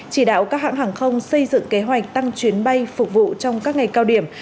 chỉ đạo các hãng hàng không xây dựng kế hoạch tăng chuyến bay phục vụ trong các ngày cao điểm